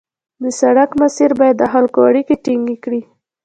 د سړک مسیر باید د خلکو اړیکې ټینګې کړي